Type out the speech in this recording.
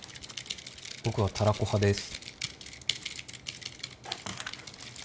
僕はたらこ派です